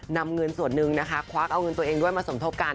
นำเงินส่วนหนึ่งนะคะควักเอาเงินตัวเองด้วยมาสมทบกัน